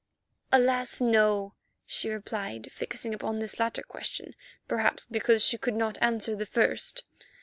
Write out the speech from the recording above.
"Alas! no," she replied, fixing upon this latter question perhaps because she could not answer the first.